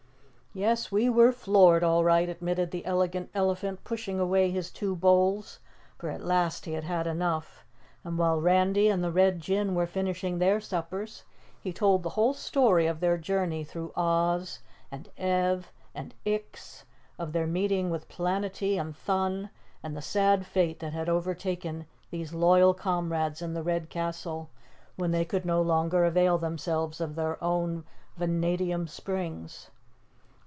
"Yes, we were floored, all right," admitted the Elegant Elephant, pushing away his two bowls, for at last he had had enough, and while Randy and the Red Jinn were finishing their suppers he told the whole story of their journey through Oz and Ev and Ix, of their meeting with Planetty and Thun and the sad fate that had overtaken these loyal comrades in the Red Castle when they could no longer avail themselves of their own Vanadium Springs.